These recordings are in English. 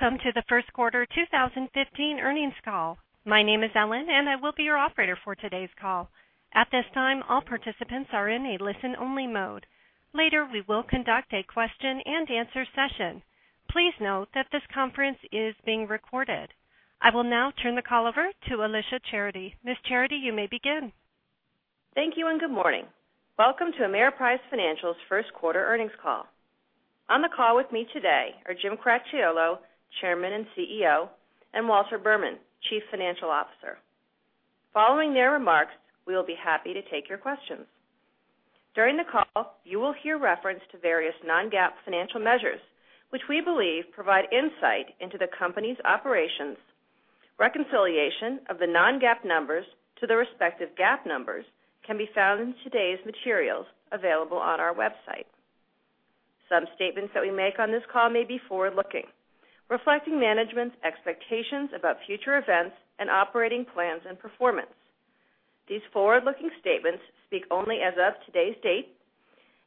Welcome to the first quarter 2015 earnings call. My name is Ellen, and I will be your operator for today's call. At this time, all participants are in a listen-only mode. Later, we will conduct a question and answer session. Please note that this conference is being recorded. I will now turn the call over to Alicia Charity. Ms. Charity, you may begin. Thank you and good morning. Welcome to Ameriprise Financial's first quarter earnings call. On the call with me today are Jim Cracchiolo, Chairman and CEO, and Walter Berman, Chief Financial Officer. Following their remarks, we will be happy to take your questions. During the call, you will hear reference to various non-GAAP financial measures, which we believe provide insight into the company's operations. Reconciliation of the non-GAAP numbers to their respective GAAP numbers can be found in today's materials available on our website. Some statements that we make on this call may be forward-looking, reflecting management's expectations about future events and operating plans and performance. These forward-looking statements speak only as of today's date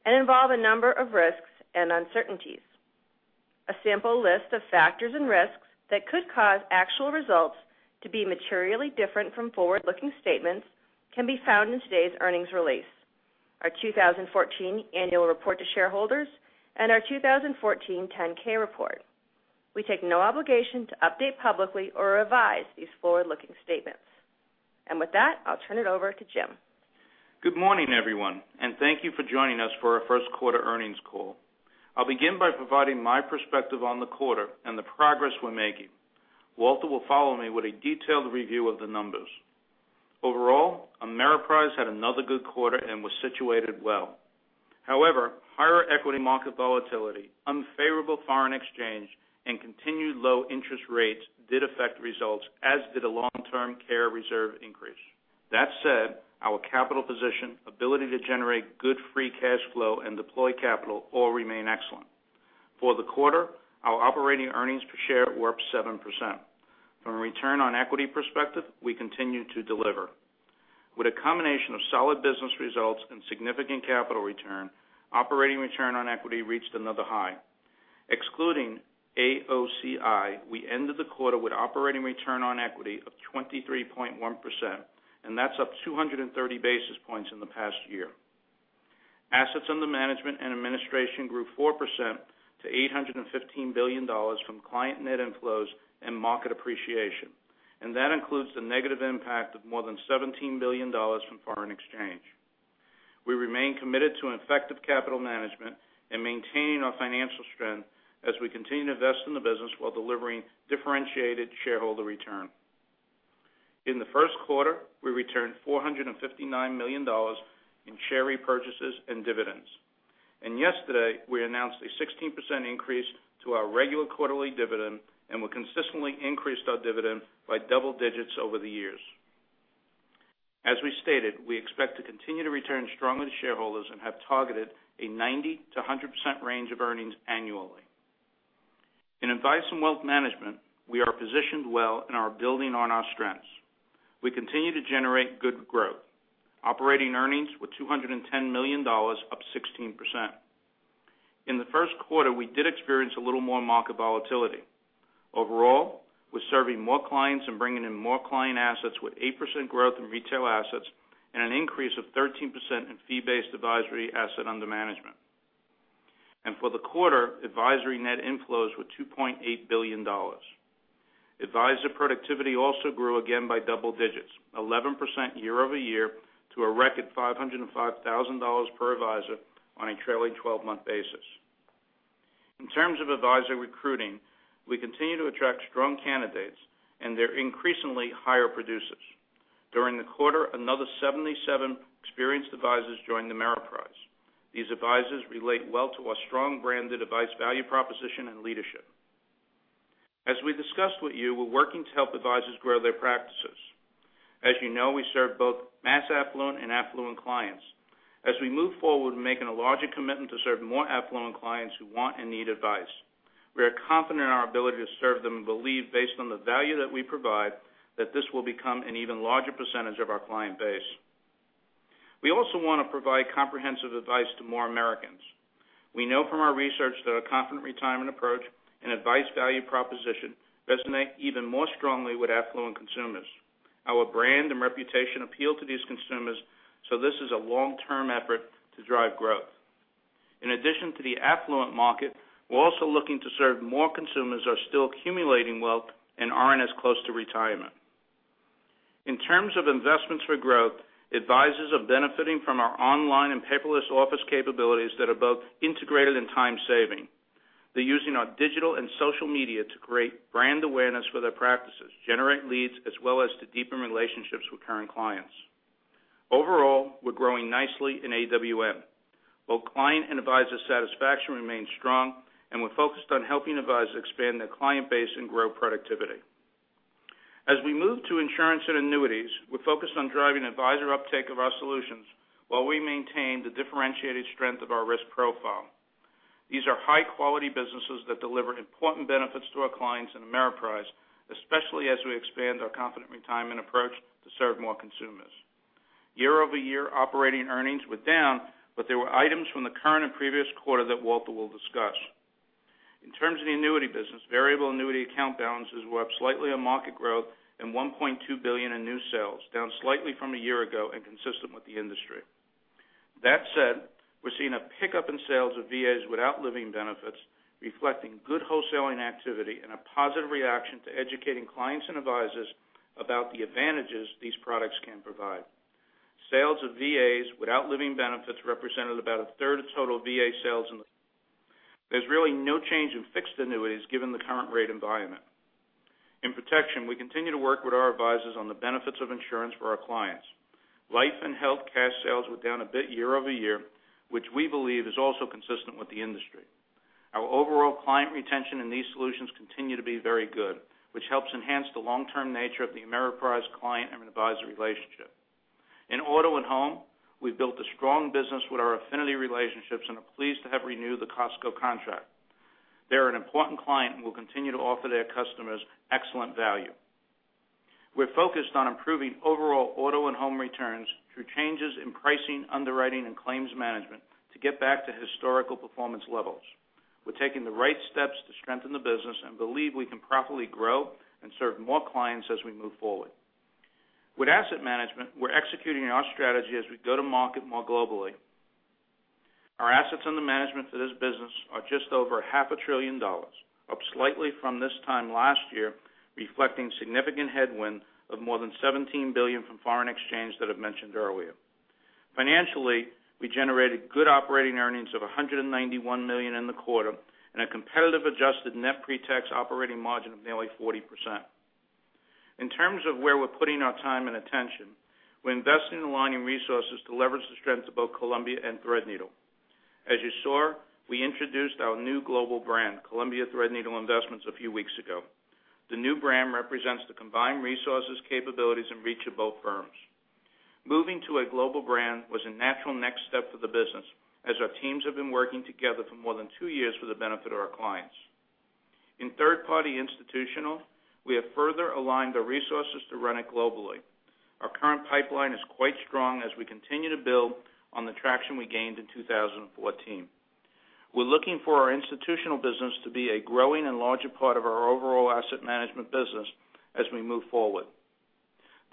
and involve a number of risks and uncertainties. A sample list of factors and risks that could cause actual results to be materially different from forward-looking statements can be found in today's earnings release, our 2014 annual report to shareholders, and our 2014 10-K report. We take no obligation to update publicly or revise these forward-looking statements. With that, I'll turn it over to Jim. Good morning, everyone, and thank you for joining us for our first quarter earnings call. I'll begin by providing my perspective on the quarter and the progress we're making. Walter will follow me with a detailed review of the numbers. Overall, Ameriprise had another good quarter and was situated well. Higher equity market volatility, unfavorable foreign exchange, and continued low interest rates did affect results, as did a long-term care reserve increase. That said, our capital position, ability to generate good free cash flow, and deploy capital all remain excellent. For the quarter, our operating earnings per share were up 7%. From a return on equity perspective, we continue to deliver. With a combination of solid business results and significant capital return, operating return on equity reached another high. Excluding AOCI, we ended the quarter with operating return on equity of 23.1%, and that's up 230 basis points in the past year. Assets under management and administration grew 4% to $815 billion from client net inflows and market appreciation, and that includes the negative impact of more than $17 billion from foreign exchange. We remain committed to an effective capital management and maintaining our financial strength as we continue to invest in the business while delivering differentiated shareholder return. In the first quarter, we returned $459 million in share repurchases and dividends. Yesterday, we announced a 16% increase to our regular quarterly dividend and we consistently increased our dividend by double digits over the years. As we stated, we expect to continue to return strongly to shareholders and have targeted a 90%-100% range of earnings annually. In Advice & Wealth Management, we are positioned well and are building on our strengths. We continue to generate good growth. Operating earnings were $210 million, up 16%. In the first quarter, we did experience a little more market volatility. Overall, we're serving more clients and bringing in more client assets with 8% growth in retail assets and an increase of 13% in fee-based advisory asset under management. For the quarter, advisory net inflows were $2.8 billion. Advisor productivity also grew again by double digits, 11% year-over-year to a record $505,000 per advisor on a trailing 12-month basis. In terms of advisor recruiting, we continue to attract strong candidates, and they're increasingly higher producers. During the quarter, another 77 experienced advisors joined Ameriprise. These advisors relate well to our strong brand, advice, value proposition, and leadership. As we discussed with you, we're working to help advisors grow their practices. As you know, we serve both mass affluent and affluent clients. As we move forward, we're making a larger commitment to serve more affluent clients who want and need advice. We are confident in our ability to serve them and believe based on the value that we provide, that this will become an even larger percentage of our client base. We also want to provide comprehensive advice to more Americans. We know from our research that our Confident Retirement approach and advice value proposition resonate even more strongly with affluent consumers. Our brand and reputation appeal to these consumers, this is a long-term effort to drive growth. In addition to the affluent market, we're also looking to serve more consumers who are still accumulating wealth and aren't as close to retirement. In terms of investments for growth, advisors are benefiting from our online and paperless office capabilities that are both integrated and time-saving. They're using our digital and social media to create brand awareness for their practices, generate leads, as well as to deepen relationships with current clients. Overall, we're growing nicely in AWM. Both client and advisor satisfaction remains strong, and we're focused on helping advisors expand their client base and grow productivity. As we move to insurance and annuities, we're focused on driving advisor uptake of our solutions while we maintain the differentiated strength of our risk profile. These are high-quality businesses that deliver important benefits to our clients and Ameriprise, especially as we expand our Confident Retirement approach to serve more consumers. Year-over-year operating earnings were down, there were items from the current and previous quarter that Walter will discuss. In terms of the annuity business, variable annuity account balances were up slightly on market growth and $1.2 billion in new sales, down slightly from a year ago and consistent with the industry. That said, we're seeing a pickup in sales of VAs without living benefits, reflecting good wholesaling activity and a positive reaction to educating clients and advisors about the advantages these products can provide. Sales of VAs without living benefits represented about a third of total VA sales. There's really no change in fixed annuities given the current rate environment. In protection, we continue to work with our advisors on the benefits of insurance for our clients. Life and health cash sales were down a bit year-over-year, which we believe is also consistent with the industry. Our overall client retention in these solutions continue to be very good, which helps enhance the long-term nature of the Ameriprise client and advisory relationship. In auto and home, we've built a strong business with our affinity relationships and are pleased to have renewed the Costco contract. They're an important client and we'll continue to offer their customers excellent value. We're focused on improving overall auto and home returns through changes in pricing, underwriting, and claims management to get back to historical performance levels. We're taking the right steps to strengthen the business and believe we can profitably grow and serve more clients as we move forward. With asset management, we're executing our strategy as we go to market more globally. Our assets under management for this business are just over half a trillion dollars, up slightly from this time last year, reflecting significant headwind of more than $17 billion from foreign exchange that I've mentioned earlier. Financially, we generated good operating earnings of $191 million in the quarter and a competitive adjusted net pre-tax operating margin of nearly 40%. In terms of where we're putting our time and attention, we're investing in aligning resources to leverage the strengths of both Columbia and Threadneedle. As you saw, we introduced our new global brand, Columbia Threadneedle Investments, a few weeks ago. The new brand represents the combined resources, capabilities, and reach of both firms. Moving to a global brand was a natural next step for the business, as our teams have been working together for more than two years for the benefit of our clients. In third-party institutional, we have further aligned our resources to run it globally. Our current pipeline is quite strong as we continue to build on the traction we gained in 2014. We're looking for our institutional business to be a growing and larger part of our overall asset management business as we move forward.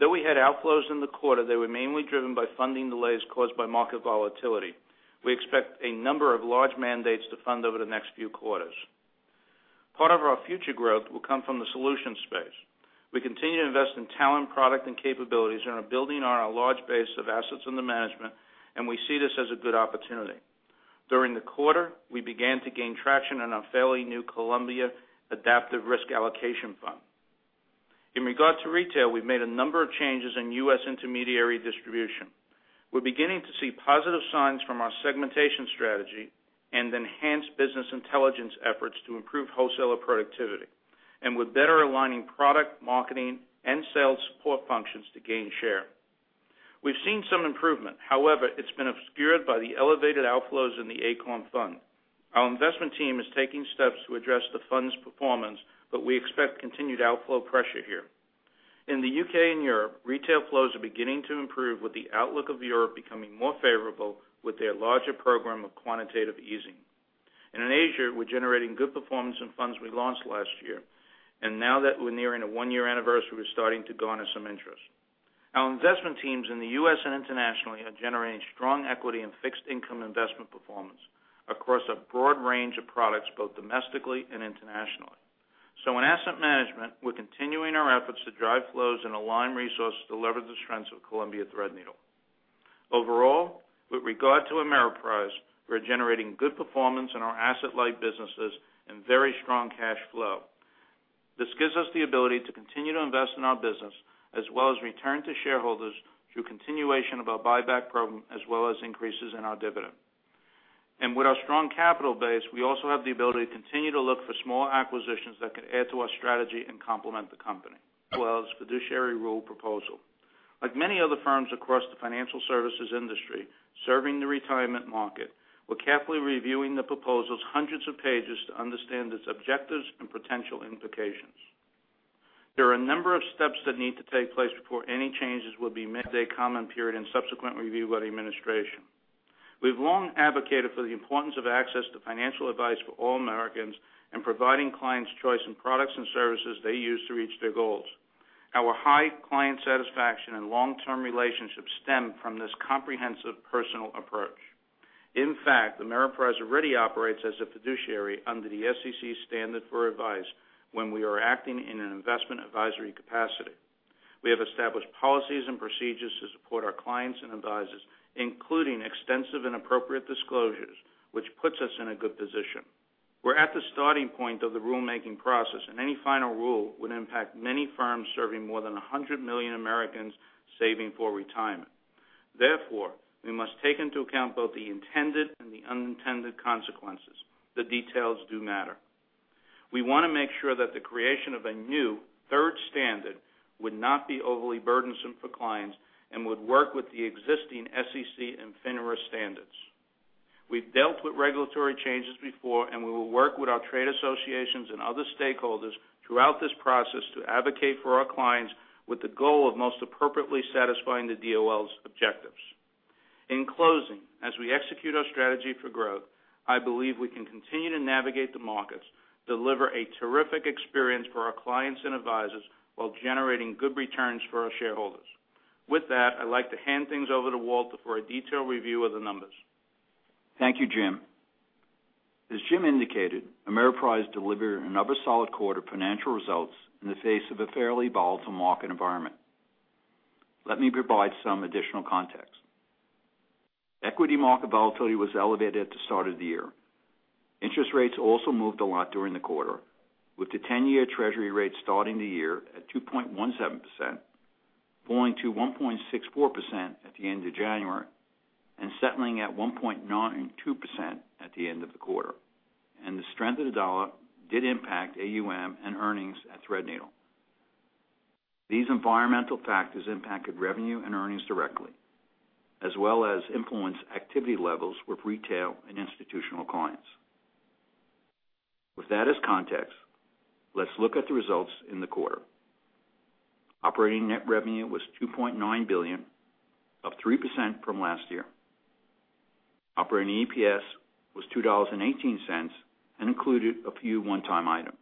Though we had outflows in the quarter, they were mainly driven by funding delays caused by market volatility. We expect a number of large mandates to fund over the next few quarters. Part of our future growth will come from the solutions space. We continue to invest in talent, product, and capabilities, and are building on our large base of assets under management, and we see this as a good opportunity. During the quarter, we began to gain traction on our fairly new Columbia Adaptive Risk Allocation Fund. In regard to retail, we've made a number of changes in U.S. intermediary distribution. We're beginning to see positive signs from our segmentation strategy and enhanced business intelligence efforts to improve wholesaler productivity, and we're better aligning product, marketing, and sales support functions to gain share. We've seen some improvement. However, it's been obscured by the elevated outflows in the Acorn Fund. Our investment team is taking steps to address the fund's performance, but we expect continued outflow pressure here. In the U.K. and Europe, retail flows are beginning to improve with the outlook of Europe becoming more favorable with their larger program of quantitative easing. In Asia, we're generating good performance in funds we launched last year. Now that we're nearing a one-year anniversary, we're starting to garner some interest. Our investment teams in the U.S. and internationally are generating strong equity and fixed income investment performance across a broad range of products, both domestically and internationally. In asset management, we're continuing our efforts to drive flows and align resources to leverage the strengths of Columbia Threadneedle. Overall, with regard to Ameriprise, we're generating good performance in our asset-light businesses and very strong cash flow. This gives us the ability to continue to invest in our business as well as return to shareholders through continuation of our buyback program as well as increases in our dividend. With our strong capital base, we also have the ability to continue to look for small acquisitions that could add to our strategy and complement the company. Well, as fiduciary rule proposal. Like many other firms across the financial services industry serving the retirement market, we're carefully reviewing the proposal's hundreds of pages to understand its objectives and potential implications. There are a number of steps that need to take place before any changes will be made a comment period and subsequent review by the administration. We've long advocated for the importance of access to financial advice for all Americans and providing clients choice in products and services they use to reach their goals. Our high client satisfaction and long-term relationships stem from this comprehensive personal approach. In fact, Ameriprise already operates as a fiduciary under the SEC standard for advice when we are acting in an investment advisory capacity. We have established policies and procedures to support our clients and advisors, including extensive and appropriate disclosures, which puts us in a good position. We're at the starting point of the rulemaking process. Any final rule would impact many firms serving more than 100 million Americans saving for retirement. Therefore, we must take into account both the intended and the unintended consequences. The details do matter. We want to make sure that the creation of a new third standard would not be overly burdensome for clients and would work with the existing SEC and FINRA standards. We've dealt with regulatory changes before. We will work with our trade associations and other stakeholders throughout this process to advocate for our clients with the goal of most appropriately satisfying the DOL's objectives. In closing, as we execute our strategy for growth, I believe we can continue to navigate the markets, deliver a terrific experience for our clients and advisors, while generating good returns for our shareholders. With that, I'd like to hand things over to Walter for a detailed review of the numbers. Thank you, Jim. As Jim indicated, Ameriprise delivered another solid quarter financial results in the face of a fairly volatile market environment. Let me provide some additional context. Equity market volatility was elevated at the start of the year. Interest rates also moved a lot during the quarter, with the 10-year treasury rate starting the year at 2.17%, falling to 1.64% at the end of January, and settling at 1.92% at the end of the quarter. The strength of the dollar did impact AUM and earnings at Threadneedle. These environmental factors impacted revenue and earnings directly, as well as influenced activity levels with retail and institutional clients. With that as context, let's look at the results in the quarter. Operating net revenue was $2.9 billion, up 3% from last year. Operating EPS was $2.18 and included a few one-time items.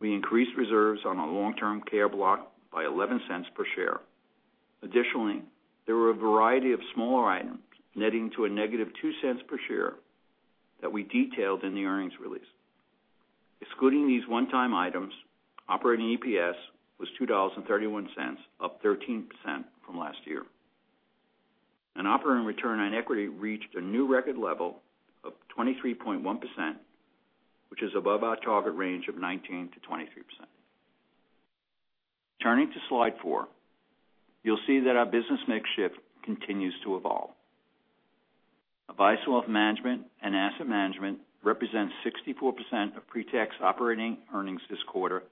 We increased reserves on our long-term care block by $0.11 per share. Additionally, there were a variety of smaller items netting to a negative $0.02 per share that we detailed in the earnings release. Excluding these one-time items, operating EPS was $2.31, up 13% from last year. Operating return on equity reached a new record level of 23.1%, which is above our target range of 19%-23%. Turning to slide four. You'll see that our business mix shift continues to evolve. Advice & Wealth Management and Asset Management represents 64% of pre-tax operating earnings this quarter.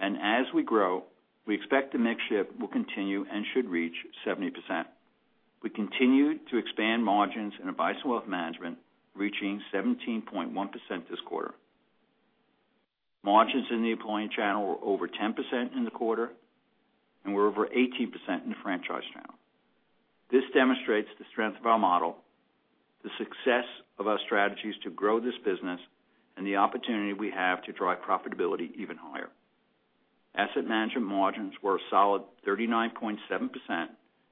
As we grow, we expect the mix shift will continue and should reach 70%. We continue to expand margins in Advice & Wealth Management, reaching 17.1% this quarter. Margins in the employee channel were over 10% in the quarter, and were over 18% in the franchise channel. This demonstrates the strength of our model, the success of our strategies to grow this business, and the opportunity we have to drive profitability even higher. Asset Management margins were a solid 39.7%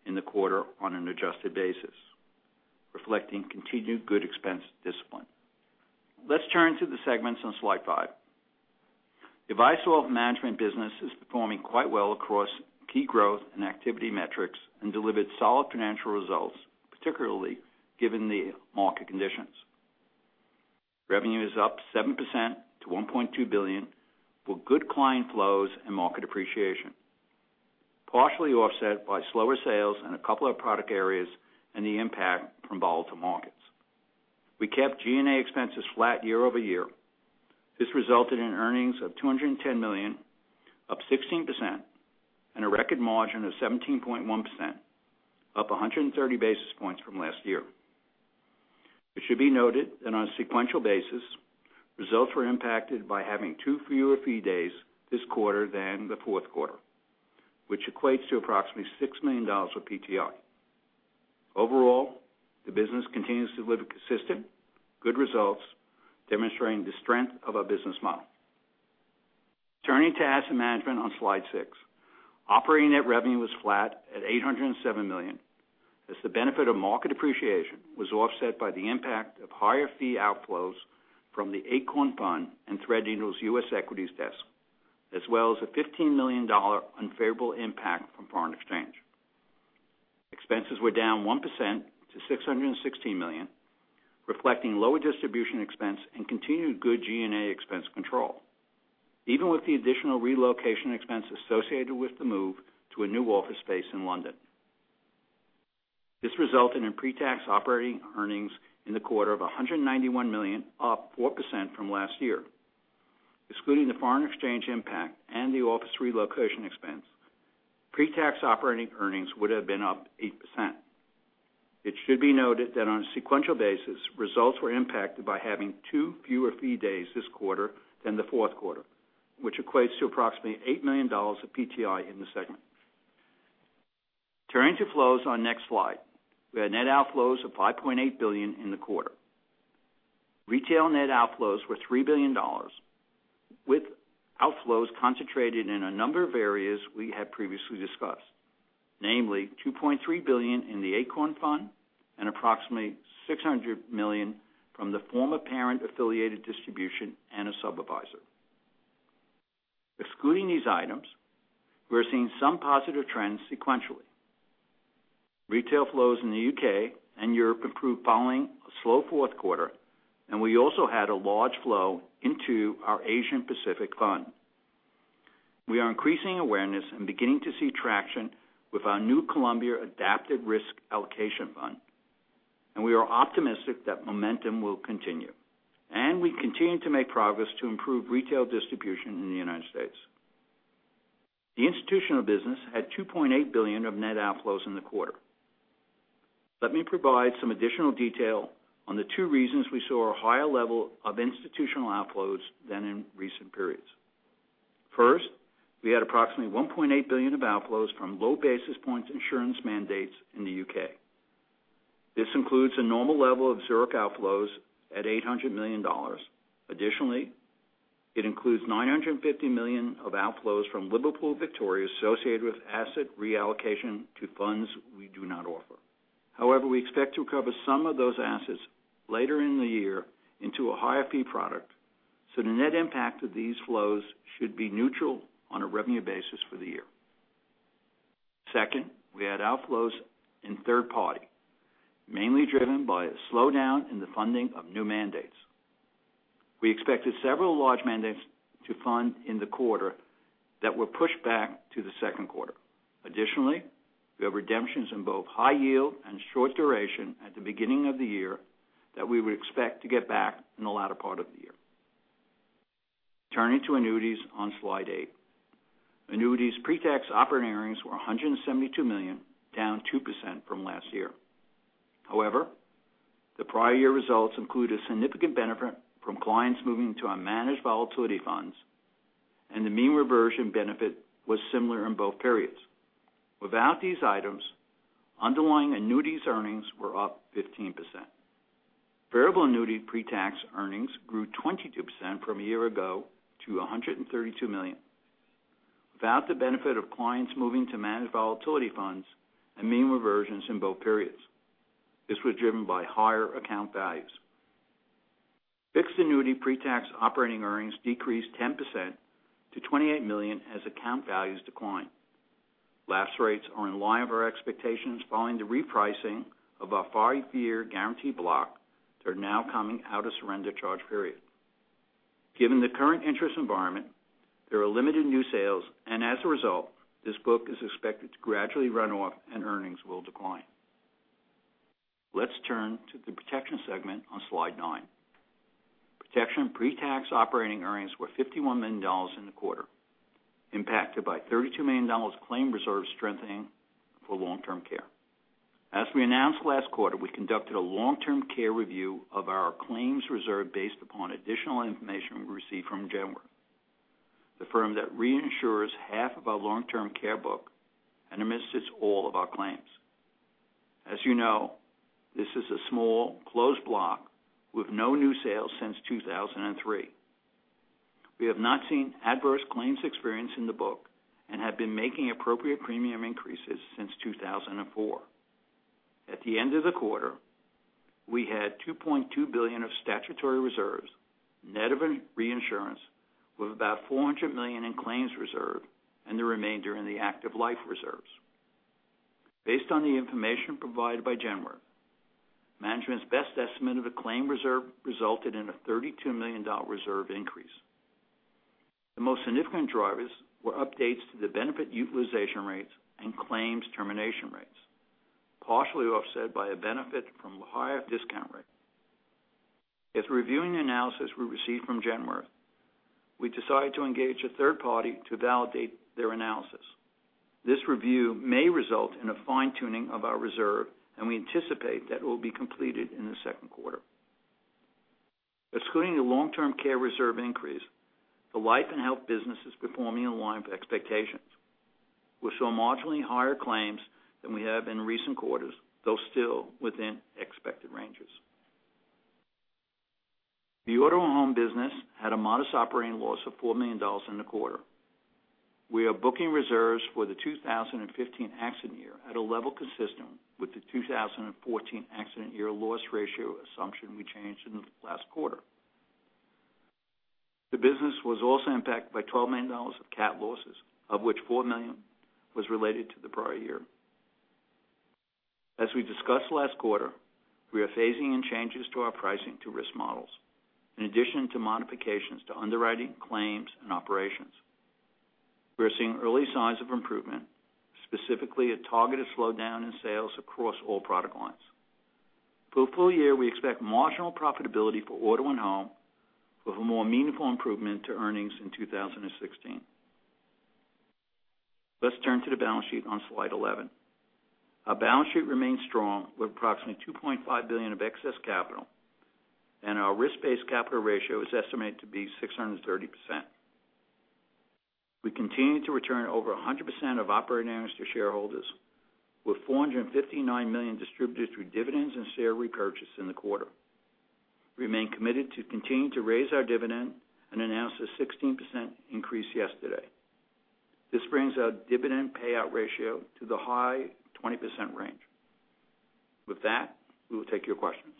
in the quarter on an adjusted basis, reflecting continued good expense discipline. Let's turn to the segments on slide five. Advice & Wealth Management business is performing quite well across key growth and activity metrics and delivered solid financial results, particularly given the market conditions. Revenue is up 7% to $1.2 billion, with good client flows and market appreciation, partially offset by slower sales in a couple of product areas and the impact from volatile markets. We kept G&A expenses flat year-over-year. This resulted in earnings of $210 million, up 16%, and a record margin of 17.1%, up 130 basis points from last year. It should be noted that on a sequential basis, results were impacted by having two fewer fee days this quarter than the fourth quarter, which equates to approximately $6 million of PTI. Overall, the business continues to deliver consistent good results, demonstrating the strength of our business model. Turning to Asset Management on slide six. Operating net revenue was flat at $807 million, as the benefit of market appreciation was offset by the impact of higher fee outflows from the Acorn fund and Threadneedle's U.S. equities desk, as well as a $15 million unfavorable impact from foreign exchange. Expenses were down 1% to $616 million, reflecting lower distribution expense and continued good G&A expense control, even with the additional relocation expense associated with the move to a new office space in London. This resulted in pre-tax operating earnings in the quarter of $191 million, up 4% from last year. Excluding the foreign exchange impact and the office relocation expense, pre-tax operating earnings would have been up 8%. It should be noted that on a sequential basis, results were impacted by having two fewer fee days this quarter than the fourth quarter, which equates to approximately $8 million of PTI in the segment. Turning to flows on next slide. We had net outflows of $5.8 billion in the quarter. Retail net outflows were $3 billion, with outflows concentrated in a number of areas we had previously discussed, namely $2.3 billion in the Acorn fund and approximately $600 million from the former parent-affiliated distribution and subadvisor. Excluding these items, we are seeing some positive trends sequentially. Retail flows in the U.K. and Europe improved following a slow fourth quarter. We also had a large flow into our Asia Pacific fund. We are increasing awareness and beginning to see traction with our new Columbia Adaptive Risk Allocation Fund. We are optimistic that momentum will continue. We continue to make progress to improve retail distribution in the United States. The institutional business had $2.8 billion of net outflows in the quarter. Let me provide some additional detail on the two reasons we saw a higher level of institutional outflows than in recent periods. First, we had approximately $1.8 billion of outflows from low basis points insurance mandates in the U.K. This includes a normal level of Zurich outflows at $800 million. Additionally, it includes $950 million of outflows from Liverpool Victoria associated with asset reallocation to funds we do not offer. However, we expect to recover some of those assets later in the year into a higher fee product. The net impact of these flows should be neutral on a revenue basis for the year. Second, we had outflows in third party, mainly driven by a slowdown in the funding of new mandates. We expected several large mandates to fund in the quarter that were pushed back to the second quarter. Additionally, we have redemptions in both high yield and short duration at the beginning of the year that we would expect to get back in the latter part of the year. Turning to annuities on slide eight. Annuities pre-tax operating earnings were $172 million, down 2% from last year. However, the prior year results include a significant benefit from clients moving to our managed volatility funds. The mean reversion benefit was similar in both periods. Without these items, underlying annuities earnings were up 15%. Variable annuity pre-tax earnings grew 22% from a year ago to $132 million. Without the benefit of clients moving to managed volatility funds and mean reversions in both periods. This was driven by higher account values. Fixed annuity pre-tax operating earnings decreased 10% to $28 million as account values declined. Lapse rates are in line with our expectations following the repricing of our five-year guarantee block that are now coming out of surrender charge period. Given the current interest environment, there are limited new sales, as a result, this book is expected to gradually run off and earnings will decline. Let's turn to the protection segment on slide nine. Protection pre-tax operating earnings were $51 million in the quarter, impacted by $32 million claim reserve strengthening for long-term care. As we announced last quarter, we conducted a long-term care review of our claims reserve based upon additional information we received from Genworth, the firm that reinsures half of our long-term care book and administers all of our claims. As you know, this is a small closed block with no new sales since 2003. We have not seen adverse claims experience in the book and have been making appropriate premium increases since 2004. At the end of the quarter, we had $2.2 billion of statutory reserves, net of reinsurance, with about $400 million in claims reserve and the remainder in the active life reserves. Based on the information provided by Genworth, management's best estimate of a claim reserve resulted in a $32 million reserve increase. The most significant drivers were updates to the benefit utilization rates and claims termination rates, partially offset by a benefit from a higher discount rate. As reviewing the analysis we received from Genworth, we decided to engage a third party to validate their analysis. This review may result in a fine-tuning of our reserve, and we anticipate that it will be completed in the second quarter. Excluding the long-term care reserve increase, the life and health business is performing in line with expectations. We saw marginally higher claims than we have in recent quarters, though still within expected ranges. The auto and home business had a modest operating loss of $4 million in the quarter. We are booking reserves for the 2015 accident year at a level consistent with the 2014 accident year loss ratio assumption we changed in the last quarter. The business was also impacted by $12 million of cat losses, of which $4 million was related to the prior year. As we discussed last quarter, we are phasing in changes to our pricing to risk models. In addition to modifications to underwriting claims and operations, we are seeing early signs of improvement, specifically a targeted slowdown in sales across all product lines. For the full year, we expect marginal profitability for auto and home, with a more meaningful improvement to earnings in 2016. Let's turn to the balance sheet on slide 11. Our balance sheet remains strong with approximately $2.5 billion of excess capital, and our risk-based capital ratio is estimated to be 630%. We continue to return over 100% of operating earnings to shareholders, with $459 million distributed through dividends and share repurchase in the quarter. We remain committed to continuing to raise our dividend and announced a 16% increase yesterday. This brings our dividend payout ratio to the high 20% range. With that, we will take your questions.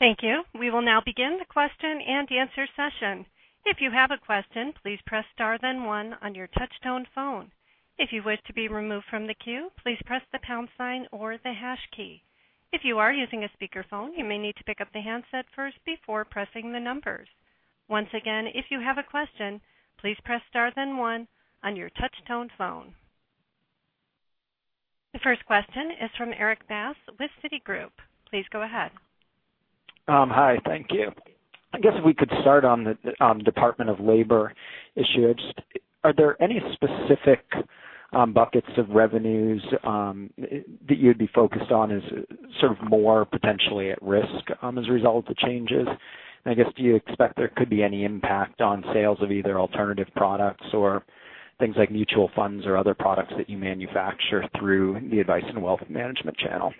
Thank you. We will now begin the question-and-answer session. If you have a question, please press star then one on your touch-tone phone. If you wish to be removed from the queue, please press the pound sign or the hash key. If you are using a speakerphone, you may need to pick up the handset first before pressing the numbers. Once again, if you have a question, please press star then one on your touch-tone phone. The first question is from Erik Bass with Citigroup. Please go ahead. Hi, thank you. I guess if we could start on the Department of Labor issue. Are there any specific buckets of revenues that you'd be focused on as sort of more potentially at risk as a result of the changes? I guess, do you expect there could be any impact on sales of either alternative products or things like mutual funds or other products that you manufacture through the Advice & Wealth Management channel?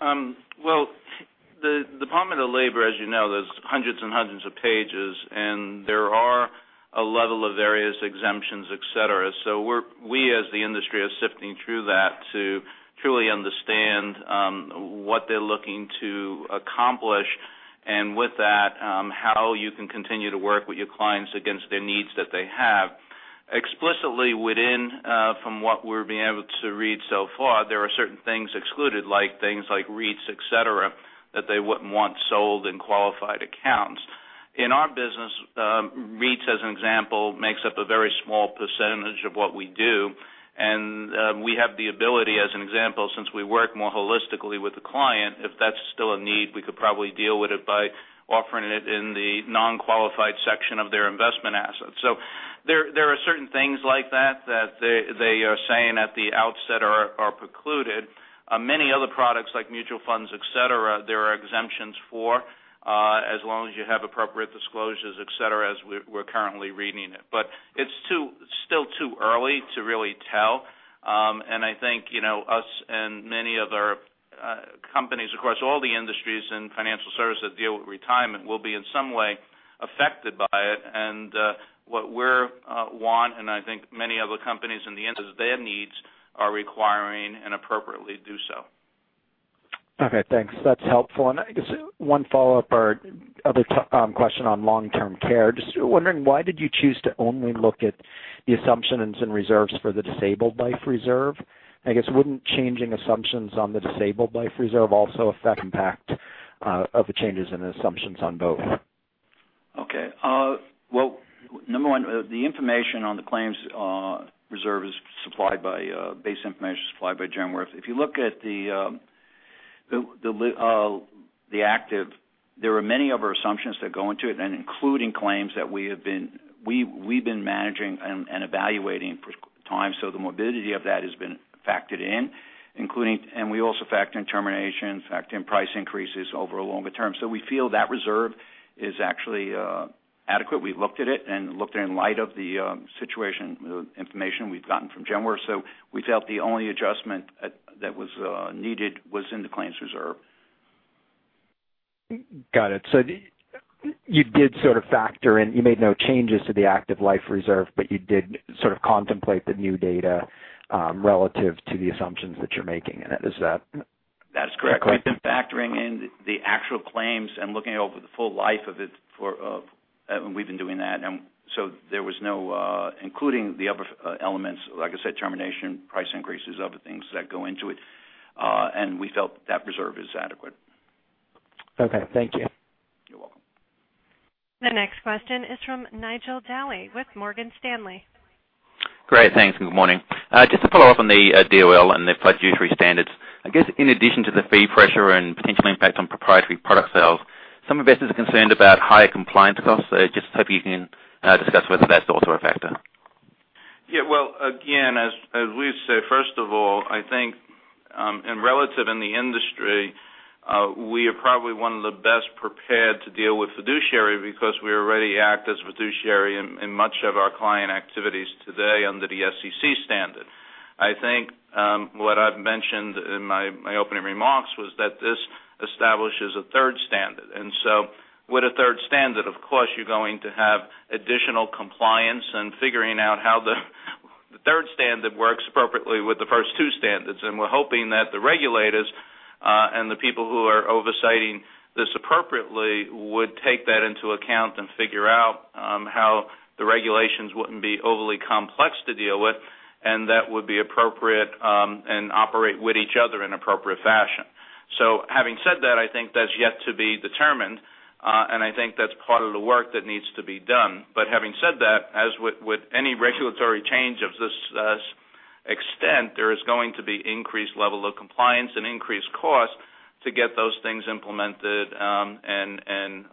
The Department of Labor, as you know, there's hundreds and hundreds of pages, and there are a level of various exemptions, et cetera. We, as the industry, are sifting through that to truly understand what they're looking to accomplish, and with that, how you can continue to work with your clients against the needs that they have. Explicitly, from what we're being able to read so far, there are certain things excluded, like things like REITs, et cetera, that they wouldn't want sold in qualified accounts. In our business, REITs, as an example, makes up a very small percentage of what we do, and we have the ability, as an example, since we work more holistically with the client, if that's still a need, we could probably deal with it by offering it in the non-qualified section of their investment assets. There are certain things like that they are saying at the outset are precluded. Many other products like mutual funds, et cetera, there are exemptions for, as long as you have appropriate disclosures, et cetera, as we're currently reading it. It's still too early to really tell. I think us and many other companies across all the industries in financial services that deal with retirement will be in some way affected by it. What we want, and I think many other companies in the industry, is their needs are requiring and appropriately do so. Okay, thanks. That's helpful. I guess one follow-up or other question on long-term care. Just wondering, why did you choose to only look at the assumptions and reserves for the disabled life reserve? I guess, wouldn't changing assumptions on the disabled life reserve also affect impact of the changes in the assumptions on both? Okay. Well, number one, the information on the claims reserve is supplied by base information supplied by Genworth. If you look at the active, there are many of our assumptions that go into it including claims that we've been managing and evaluating for time. The morbidity of that has been factored in, and we also factor in terminations, factor in price increases over a longer term. We feel that reserve is actually adequate. We looked at it and looked in light of the situation, the information we've gotten from Genworth. We felt the only adjustment that was needed was in the claims reserve. Got it. You did sort of factor in, you made no changes to the active life reserve, you did sort of contemplate the new data relative to the assumptions that you're making in it. Is that correct? That's correct. We've been factoring in the actual claims and looking over the full life of it. We've been doing that. Including the other elements, like I said, termination, price increases, other things that go into it. We felt that reserve is adequate. Okay. Thank you. You're welcome. The next question is from Nigel Dally with Morgan Stanley. Great, thanks, and good morning. Just to follow up on the DOL and the fiduciary standards. I guess in addition to the fee pressure and potential impact on proprietary product sales, some investors are concerned about higher compliance costs. I just hope you can discuss whether that's also a factor. Yeah. Well, again, as we say, first of all, I think, and relative in the industry, we are probably one of the best prepared to deal with fiduciary because we already act as fiduciary in much of our client activities today under the SEC standard. I think what I've mentioned in my opening remarks was that this establishes a third standard. With a third standard, of course, you're going to have additional compliance and figuring out how the third standard works appropriately with the first two standards. We're hoping that the regulators, and the people who are oversighting this appropriately would take that into account and figure out how the regulations wouldn't be overly complex to deal with, and that would be appropriate, and operate with each other in appropriate fashion. Having said that, I think that's yet to be determined, and I think that's part of the work that needs to be done. Having said that, as with any regulatory change of this extent, there is going to be increased level of compliance and increased cost to get those things implemented and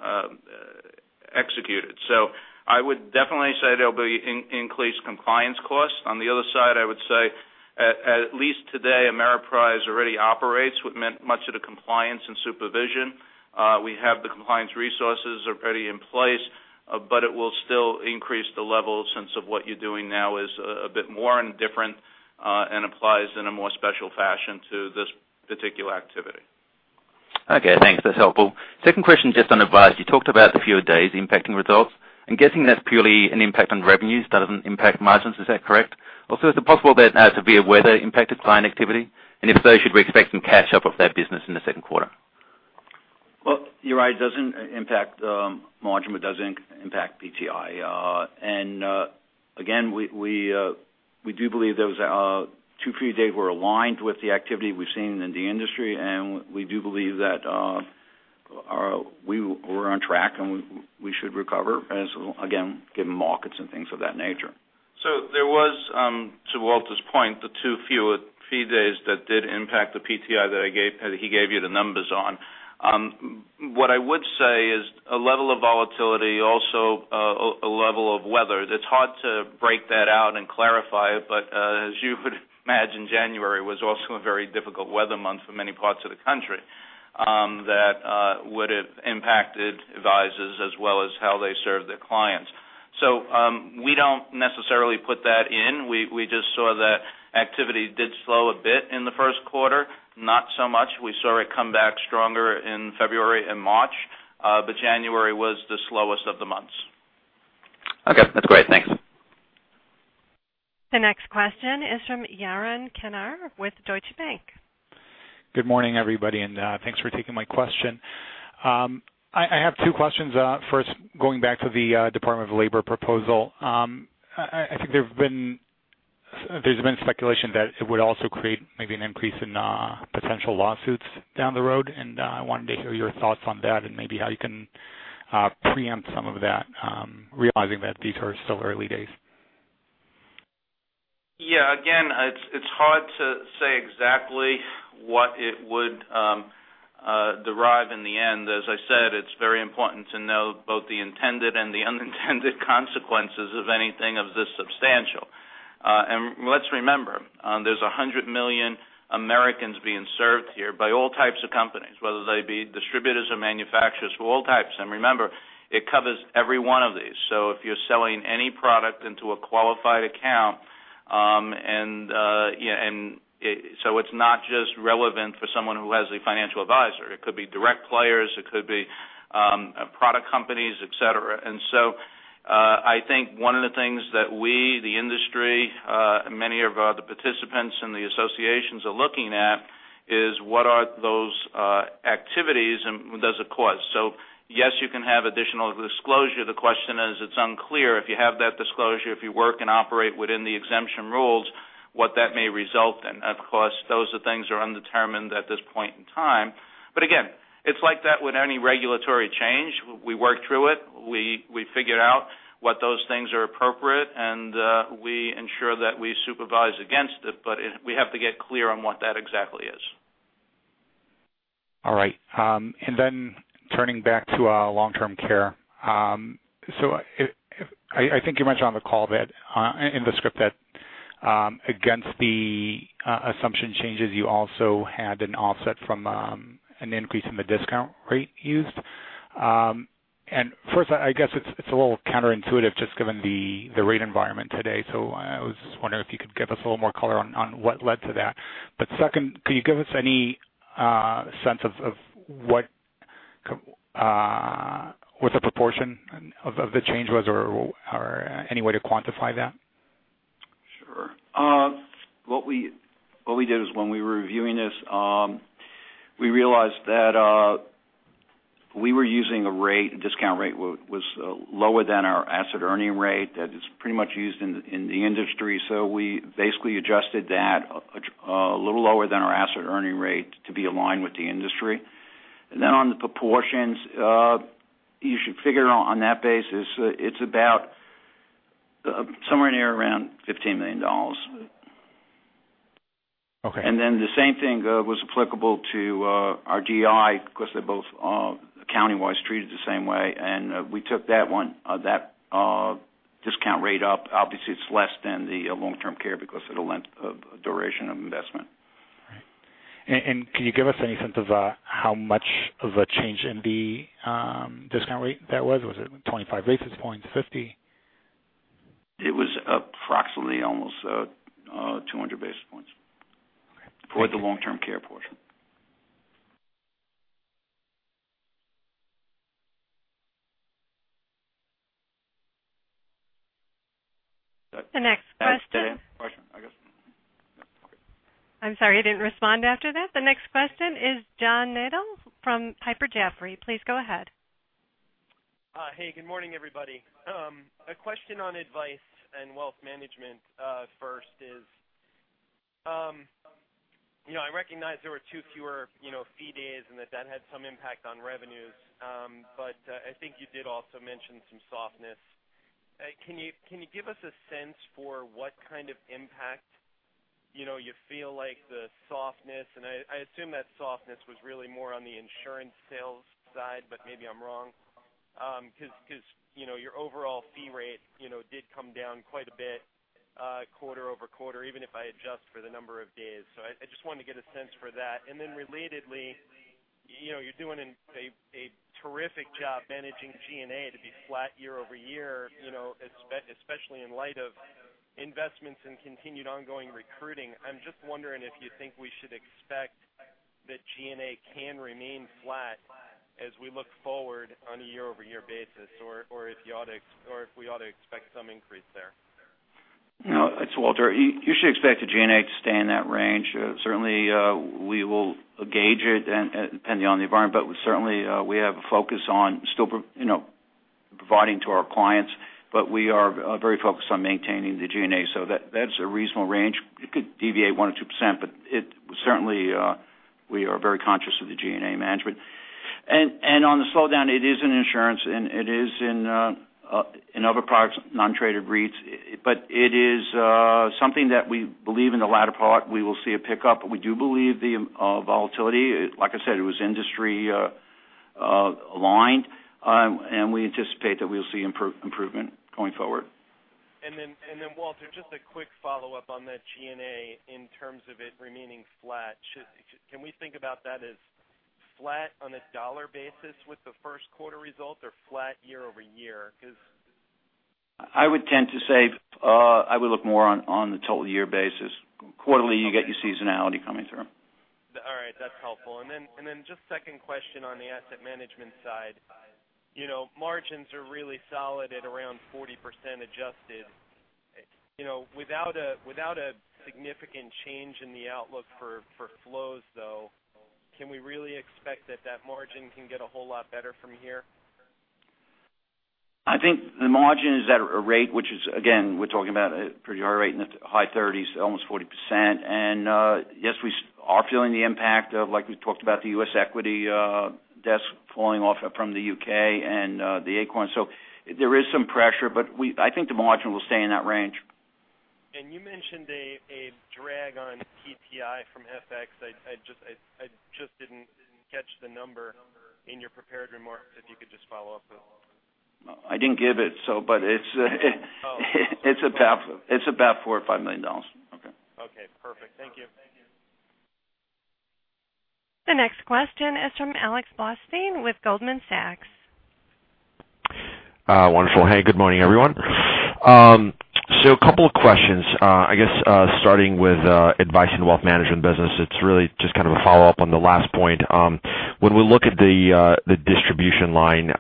executed. I would definitely say there'll be increased compliance costs. On the other side, I would say, at least today, Ameriprise already operates with much of the compliance and supervision. We have the compliance resources already in place. It will still increase the level since of what you're doing now is a bit more and different, and applies in a more special fashion to this particular activity. Okay, thanks. That's helpful. Second question, just on advice. You talked about the fewer days impacting results. I'm guessing that's purely an impact on revenues, doesn't impact margins. Is that correct? Also, is it possible there to be a weather impact to client activity? If so, should we expect some catch up of that business in the second quarter? Well, you're right. It doesn't impact margin, but does impact PTI. Again, we do believe those two or three days were aligned with the activity we've seen in the industry, and we do believe that We're on track, and we should recover as, again, given markets and things of that nature. There was, to Walter's point, the two fee days that did impact the PTI that he gave you the numbers on. What I would say is a level of volatility, also a level of weather. That's hard to break that out and clarify, but as you would imagine, January was also a very difficult weather month for many parts of the country that would've impacted advisors as well as how they serve their clients. We don't necessarily put that in. We just saw that activity did slow a bit in the first quarter, not so much. We saw it come back stronger in February and March. January was the slowest of the months. Okay. That's great. Thanks. The next question is from Yaron Kinar with Deutsche Bank. Good morning, everybody, and thanks for taking my question. I have two questions. First, going back to the Department of Labor proposal. I think there's been speculation that it would also create maybe an increase in potential lawsuits down the road, and I wanted to hear your thoughts on that and maybe how you can preempt some of that, realizing that these are still early days. Yeah. It's hard to say exactly what it would derive in the end. As I said, it's very important to know both the intended and the unintended consequences of anything of this substantial. Let's remember, there's 100 million Americans being served here by all types of companies, whether they be distributors or manufacturers, all types. Remember, it covers every one of these. If you're selling any product into a qualified account, so it's not just relevant for someone who has a financial advisor. It could be direct players, it could be product companies, et cetera. I think one of the things that we, the industry, many of the participants in the associations are looking at is what are those activities and does it cause. Yes, you can have additional disclosure. The question is, it's unclear if you have that disclosure, if you work and operate within the exemption rules, what that may result in. Of course, those are things are undetermined at this point in time. Again, it's like that with any regulatory change. We work through it. We figure out what those things are appropriate, and we ensure that we supervise against it. We have to get clear on what that exactly is. All right. Turning back to long-term care. I think you mentioned on the call that in the script that against the assumption changes, you also had an offset from an increase in the discount rate used. First, I guess it's a little counterintuitive, just given the rate environment today. I was just wondering if you could give us a little more color on what led to that. Second, can you give us any sense of what the proportion of the change was or any way to quantify that? Sure. What we did is when we were reviewing this, we realized that we were using a discount rate was lower than our asset earning rate that is pretty much used in the industry. We basically adjusted that a little lower than our asset earning rate to be aligned with the industry. On the proportions, you should figure on that basis, it's about somewhere near around $15 million. Okay. The same thing was applicable to our GI because they're both accounting-wise treated the same way. We took that discount rate up. Obviously, it's less than the long-term care because of the length of duration of investment. Right. Can you give us any sense of how much of a change in the discount rate that was? Was it 25 basis points, 50? It was approximately almost 200 basis points. Okay. For the long-term care portion. The next question. Question, I guess. Yeah, okay. I'm sorry, you didn't respond after that. The next question is John Nadel from Piper Jaffray. Please go ahead. Hey, good morning, everybody. A question on Advice & Wealth Management first is, I recognize there were two fewer fee days and that that had some impact on revenues. I think you did also mention some softness. Can you give us a sense for what kind of impact, you feel like the softness, and I assume that softness was really more on the insurance sales side, but maybe I'm wrong. Your overall fee rate did come down quite a bit quarter-over-quarter, even if I adjust for the number of days. I just wanted to get a sense for that. Relatedly, you're doing a terrific job managing G&A to be flat year-over-year, especially in light of investments and continued ongoing recruiting. I'm just wondering if you think we should expect that G&A can remain flat as we look forward on a year-over-year basis, or if we ought to expect some increase there. No, it's Walter. You should expect the G&A to stay in that range. Certainly, we will gauge it depending on the environment. Certainly, we have a focus on still providing to our clients. We are very focused on maintaining the G&A, that's a reasonable range. It could deviate 1% or 2%, certainly, we are very conscious of the G&A management. On the slowdown, it is in insurance, and it is in other products, non-traded REITs, it is something that we believe in the latter part, we will see a pickup. We do believe the volatility, like I said, it was industry aligned, and we anticipate that we'll see improvement going forward. Walter, just a quick follow-up on that G&A in terms of it remaining flat. Can we think about that as flat on a dollar basis with the first quarter result or flat year-over-year? I would tend to say I would look more on the total year basis. Quarterly, you get your seasonality coming through. All right. That's helpful. Then just second question on the asset management side. Margins are really solid at around 40% adjusted. Without a significant change in the outlook for flows, though, can we really expect that that margin can get a whole lot better from here? I think the margin is at a rate, which is, again, we're talking about a pretty high rate in the high 30s, almost 40%. Yes, we are feeling the impact of, like we talked about, the U.S. equity desk falling off from the U.K. and the Acorn. There is some pressure, but I think the margin will stay in that range. You mentioned a drag on PTI from FX. I just didn't catch the number in your prepared remarks, if you could just follow up. I didn't give it, but it's about $4 or $5 million. Okay, perfect. Thank you. The next question is from Alex Blostein with Goldman Sachs. Wonderful. Hey, good morning, everyone. A couple of questions. I guess starting with Advice & Wealth Management business, it's really just kind of a follow-up on the last point. When we look at the distribution line,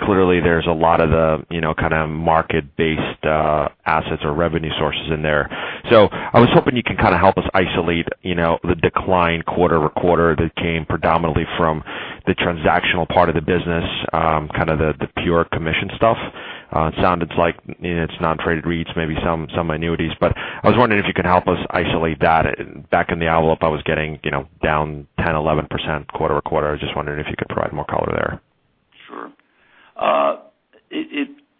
clearly there's a lot of the kind of market-based assets or revenue sources in there. I was hoping you can kind of help us isolate the decline quarter-over-quarter that came predominantly from the transactional part of the business, kind of the pure commission stuff. It sounded like it's non-traded REITs, maybe some annuities. I was wondering if you could help us isolate that. Back in the envelope, I was getting down 10, 11% quarter-over-quarter. I was just wondering if you could provide more color there. Sure.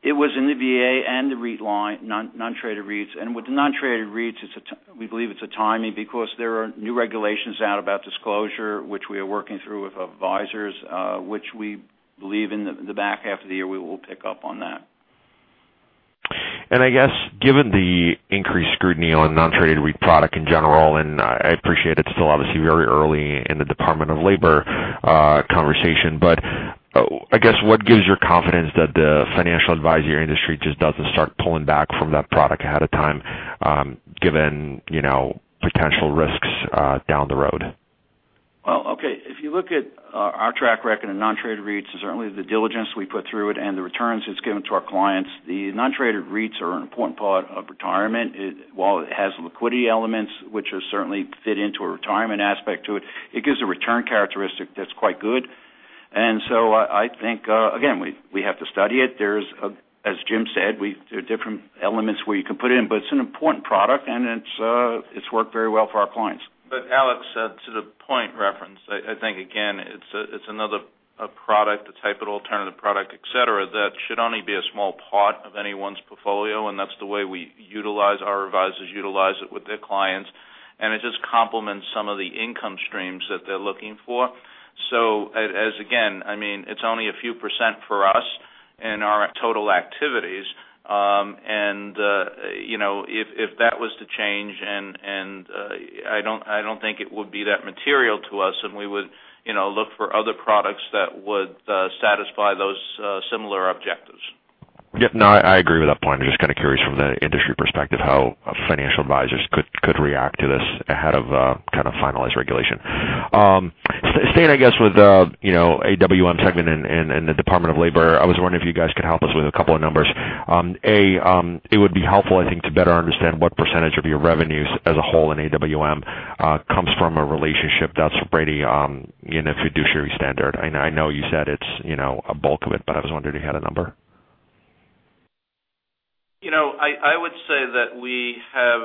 It was in the VA and the non-traded REITs. With the non-traded REITs, we believe it's a timing because there are new regulations out about disclosure, which we are working through with advisors which we believe in the back half of the year we will pick up on that. I guess given the increased scrutiny on non-traded REIT product in general, I appreciate it's still obviously very early in the Department of Labor conversation, what gives you confidence that the financial advisory industry just doesn't start pulling back from that product ahead of time given potential risks down the road? Well, okay. If you look at our track record in non-traded REITs, certainly the diligence we put through it and the returns it's given to our clients, the non-traded REITs are an important part of retirement. While it has liquidity elements, which certainly fit into a retirement aspect to it gives a return characteristic that's quite good. So I think, again, we have to study it. There's, as Jim said, there are different elements where you can put it in, it's an important product, and it's worked very well for our clients. Alex, to the point reference, I think, again, it's another product, a type of alternative product, et cetera, that should only be a small part of anyone's portfolio, that's the way we utilize our advisors, utilize it with their clients, it just complements some of the income streams that they're looking for. As, again, it's only a few percent for us in our total activities. If that was to change, I don't think it would be that material to us, we would look for other products that would satisfy those similar objectives. Yeah. No, I agree with that point. I'm just kind of curious from the industry perspective how financial advisors could react to this ahead of a kind of finalized regulation. Staying, I guess, with AWM segment and the Department of Labor, I was wondering if you guys could help us with a couple of numbers. A, it would be helpful, I think, to better understand what % of your revenues as a whole in AWM comes from a relationship that's already in a fiduciary standard. I know you said it's a bulk of it, but I was wondering if you had a number. I would say that we have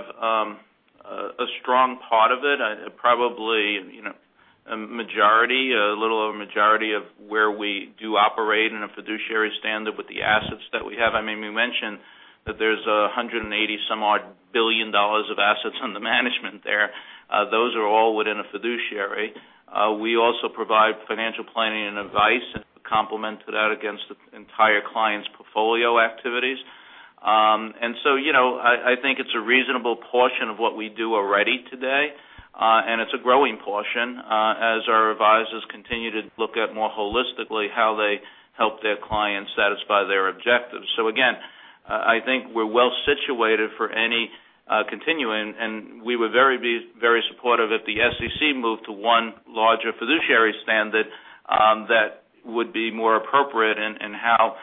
a strong part of it, probably a majority, a little over majority of where we do operate in a fiduciary standard with the assets that we have. We mentioned that there's $180-some-odd billion of assets under management there. Those are all within a fiduciary. We also provide financial planning and advice and complement that against the entire client's portfolio activities. I think it's a reasonable portion of what we do already today. It's a growing portion as our advisors continue to look at more holistically how they help their clients satisfy their objectives. Again, I think we're well situated for any continuing, and we would be very supportive if the SEC moved to one larger fiduciary standard that would be more appropriate in how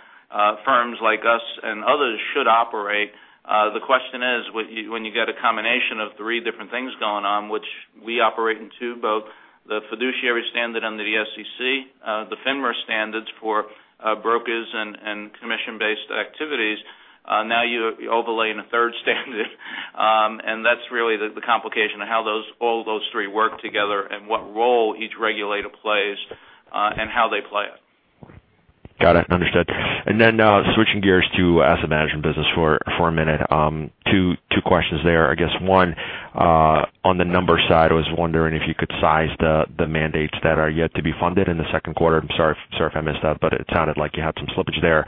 firms like us and others should operate. The question is, when you get a combination of three different things going on, which we operate in two, both The fiduciary standard under the SEC, the FINRA standards for brokers and commission-based activities. You overlay in a third standard, that's really the complication of how all those three work together and what role each regulator plays and how they play it. Got it. Understood. Switching gears to asset management business for a minute. Two questions there. I guess one, on the number side, I was wondering if you could size the mandates that are yet to be funded in the second quarter. I'm sorry if I missed that, but it sounded like you had some slippage there.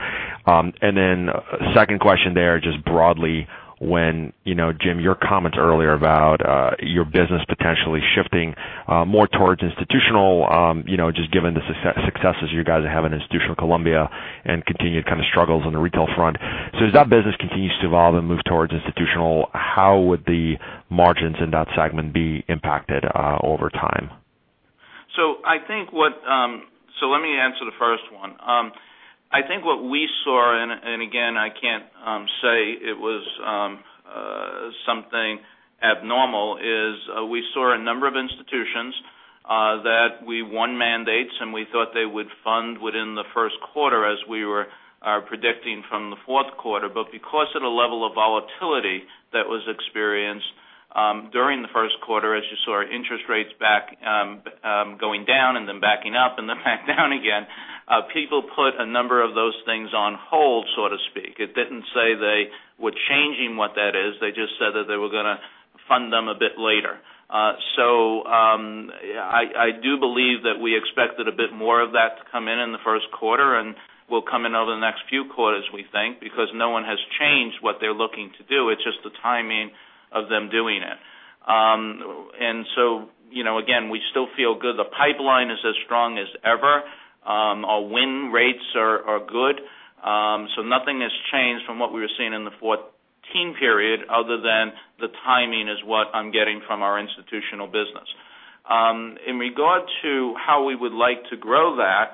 Second question there, just broadly, Jim, your comments earlier about your business potentially shifting more towards institutional, just given the successes you guys are having in institutional Columbia and continued kind of struggles on the retail front. As that business continues to evolve and move towards institutional, how would the margins in that segment be impacted over time? Let me answer the first one. I think what we saw, and again, I can't say it was something abnormal, is we saw a number of institutions that we won mandates and we thought they would fund within the first quarter as we were predicting from the fourth quarter. Because of the level of volatility that was experienced during the first quarter, as you saw interest rates going down and then backing up and then back down again, people put a number of those things on hold, so to speak. It didn't say they were changing what that is. They just said that they were going to fund them a bit later. I do believe that we expected a bit more of that to come in in the first quarter and will come in over the next few quarters, we think, because no one has changed what they're looking to do. It's just the timing of them doing it. Again, we still feel good. The pipeline is as strong as ever. Our win rates are good. Nothing has changed from what we were seeing in the 2014 period other than the timing is what I'm getting from our institutional business. In regard to how we would like to grow that,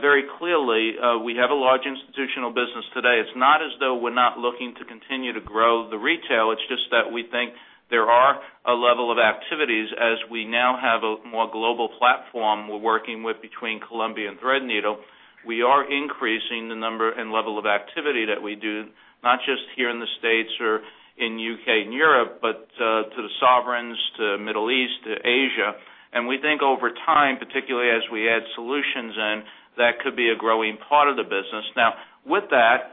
very clearly, we have a large institutional business today. It's not as though we're not looking to continue to grow the retail. It's just that we think there are a level of activities as we now have a more global platform we're working with between Columbia and Threadneedle. We are increasing the number and level of activity that we do, not just here in the U.S. or in U.K. and Europe, but to the sovereigns, to Middle East, to Asia. We think over time, particularly as we add solutions in, that could be a growing part of the business. Now, with that,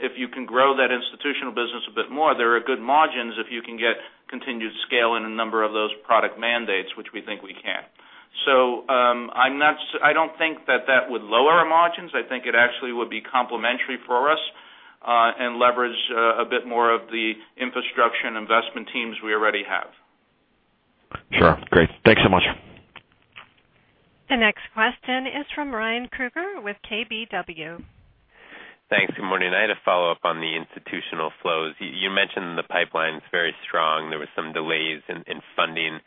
if you can grow that institutional business a bit more, there are good margins if you can get continued scale in a number of those product mandates, which we think we can. I don't think that that would lower our margins. I think it actually would be complementary for us, and leverage a bit more of the infrastructure and investment teams we already have. Sure. Great. Thanks so much. The next question is from Ryan Krueger with KBW. Thanks. Good morning. I had a follow-up on the institutional flows. You mentioned the pipeline's very strong. There were some delays in funding.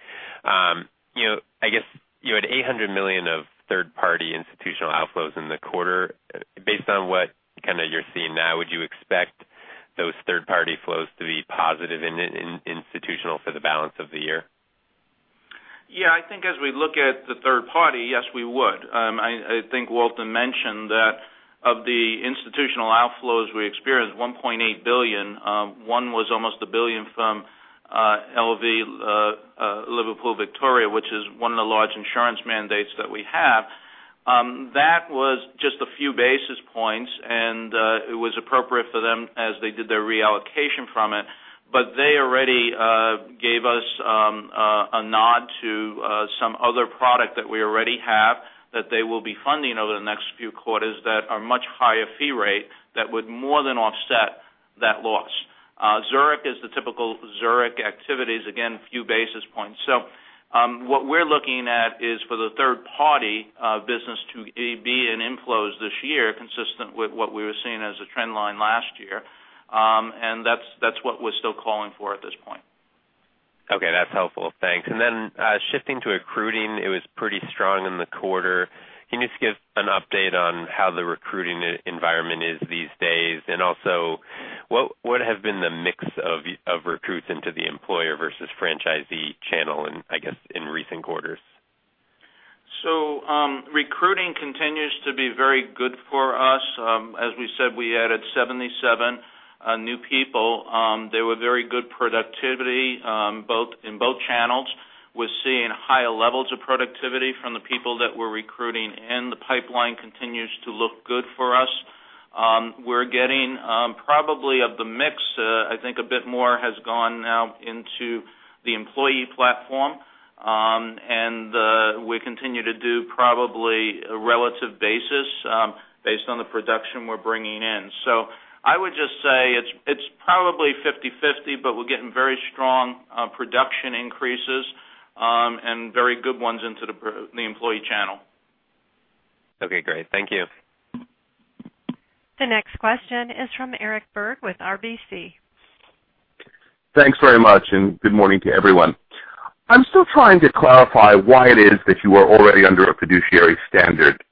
I guess you had $800 million of third-party institutional outflows in the quarter. Based on what you're seeing now, would you expect those third-party flows to be positive in institutional for the balance of the year? I think as we look at the third-party, yes, we would. I think Walter mentioned that of the institutional outflows we experienced, $1.8 billion, one was almost $1 billion from LV=, Liverpool Victoria, which is one of the large insurance mandates that we have. That was just a few basis points, and it was appropriate for them as they did their reallocation from it. They already gave us a nod to some other product that we already have that they will be funding over the next few quarters that are much higher fee rate that would more than offset that loss. Zurich is the typical Zurich activities. Again, few basis points. What we're looking at is for the third-party business to be an inflows this year, consistent with what we were seeing as a trend line last year. That's what we're still calling for at this point. Okay. That's helpful. Thanks. Shifting to recruiting, it was pretty strong in the quarter. Can you just give an update on how the recruiting environment is these days? What have been the mix of recruits into the employer versus franchisee channel in recent quarters? Recruiting continues to be very good for us. As we said, we added 77 new people. They were very good productivity, in both channels. We're seeing higher levels of productivity from the people that we're recruiting, the pipeline continues to look good for us. We're getting probably of the mix, I think a bit more has gone now into the employee platform. We continue to do probably a relative basis based on the production we're bringing in. I would just say it's probably 50/50, but we're getting very strong production increases, and very good ones into the employee channel. Okay, great. Thank you. The next question is from Eric Berg with RBC. Thanks very much, and good morning to everyone. I'm still trying to clarify why it is that you are already under a fiduciary standard.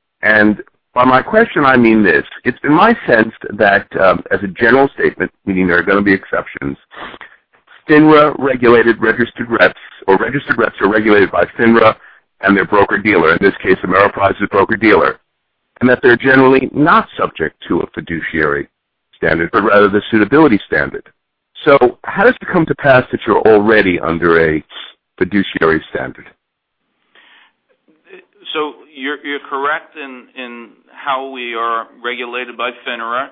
By my question, I mean this, it's been my sense that, as a general statement, meaning there are going to be exceptions FINRA-regulated registered reps, or registered reps are regulated by FINRA and their broker-dealer, in this case, Ameriprise is a broker-dealer, and that they're generally not subject to a fiduciary standard, but rather the suitability standard. How does it come to pass that you're already under a fiduciary standard? You're correct in how we are regulated by FINRA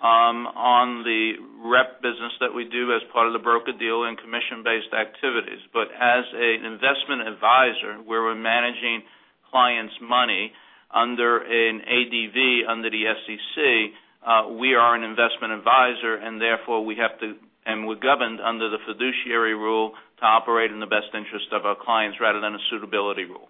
on the rep business that we do as part of the broker-dealer and commission-based activities. As an investment advisor, where we're managing clients' money under an ADV, under the SEC, we are an investment advisor, and therefore, we have to and we're governed under the fiduciary rule to operate in the best interest of our clients, rather than a suitability rule.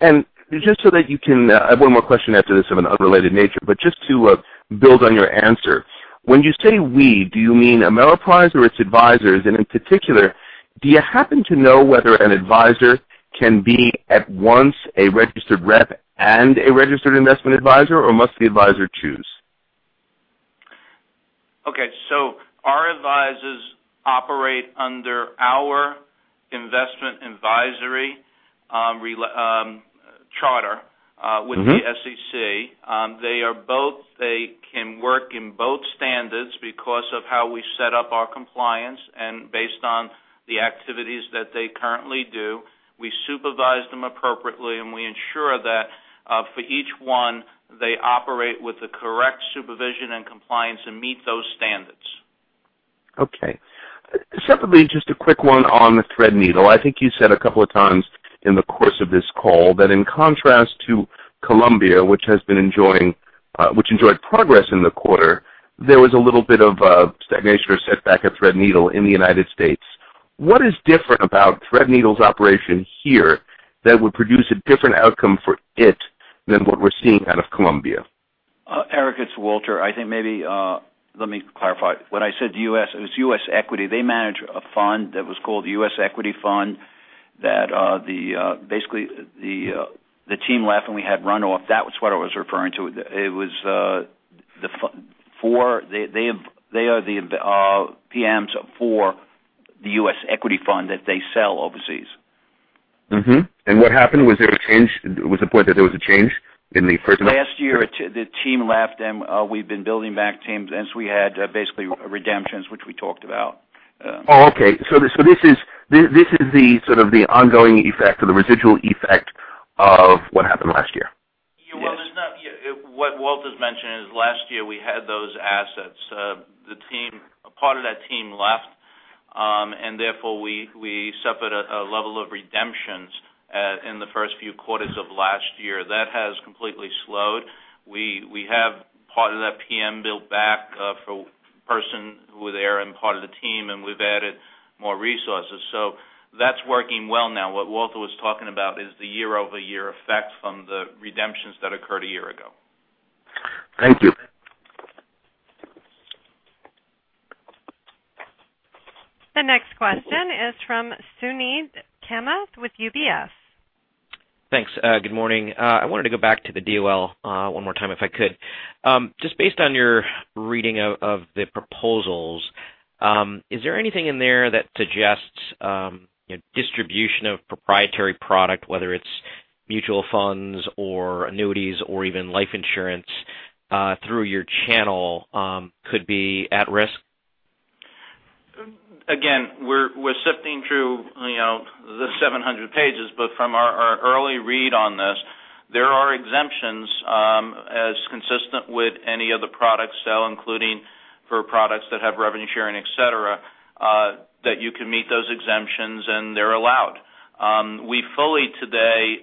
Just so that you can, I have one more question after this of an unrelated nature, but just to build on your answer. When you say "we" do you mean Ameriprise or its advisors? In particular, do you happen to know whether an advisor can be at once a registered rep and a registered investment advisor, or must the advisor choose? Okay, our advisors operate under our investment advisory charter with the SEC. They can work in both standards because of how we set up our compliance and based on the activities that they currently do. We supervise them appropriately, and we ensure that for each one, they operate with the correct supervision and compliance and meet those standards. Okay. Separately, just a quick one on the Threadneedle. I think you said a couple of times in the course of this call that in contrast to Columbia, which enjoyed progress in the quarter, there was a little bit of a stagnation or setback at Threadneedle in the U.S. What is different about Threadneedle's operation here that would produce a different outcome for it than what we're seeing out of Columbia? Eric, it's Walter. I think maybe let me clarify. When I said the U.S., it was U.S. Equity. They manage a fund that was called U.S. Equity Fund that basically the team left, and we had runoff. That was what I was referring to. They are the PMs for the U.S. Equity Fund that they sell overseas. Mm-hmm. What happened? Was there a change? Was the point that there was a change in the personnel? Last year, the team left, and we've been building back teams. We had basically redemptions, which we talked about. Oh, okay. This is the sort of the ongoing effect or the residual effect of what happened last year. Yes. Well, what Walter's mentioning is last year we had those assets. A part of that team left, and therefore we suffered a level of redemptions in the first few quarters of last year. That has completely slowed. We have part of that PM built back for person who were there and part of the team, and we've added more resources. That's working well now. What Walter was talking about is the year-over-year effect from the redemptions that occurred a year ago. Thank you. The next question is from Suneet Kamath with UBS. Thanks. Good morning. I wanted to go back to the DOL one more time if I could. Just based on your reading of the proposals, is there anything in there that suggests distribution of proprietary product, whether it's mutual funds or annuities or even life insurance, through your channel could be at risk? We're sifting through the 700 pages. From our early read on this, there are exemptions, as consistent with any other product sale, including for products that have revenue sharing, et cetera, that you can meet those exemptions. They're allowed. We fully today,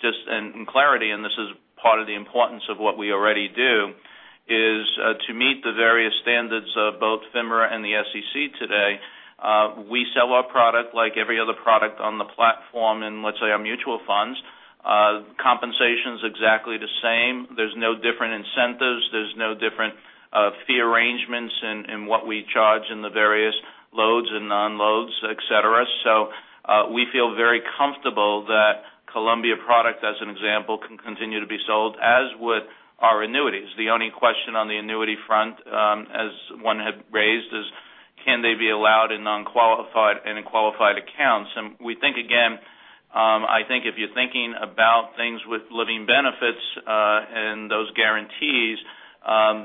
just in clarity, and this is part of the importance of what we already do, is to meet the various standards of both FINRA and the SEC today. We sell our product like every other product on the platform in, let's say, our mutual funds. Compensation's exactly the same. There's no different incentives. There's no different fee arrangements in what we charge in the various loads and non-loads, et cetera. We feel very comfortable that Columbia product, as an example, can continue to be sold, as would our annuities. The only question on the annuity front, as one had raised, is can they be allowed in non-qualified and in qualified accounts? We think, again, I think if you're thinking about things with living benefits, and those guarantees,